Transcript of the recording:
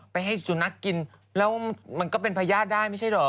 ไปให้สุนัขกินแล้วมันก็เป็นพญาติได้ไม่ใช่เหรอ